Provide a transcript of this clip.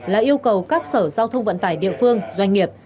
là yêu cầu các sở giao thông vận tải địa phương doanh nghiệp